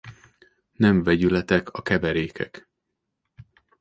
Nem vegyületek a keverékek.